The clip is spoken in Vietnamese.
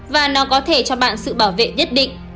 và nó có thể cho bạn sự bảo vệ nhất định